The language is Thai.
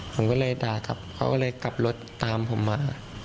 ผมก็เลยด่ากลับเขาก็เลยกลับรถตามผมมา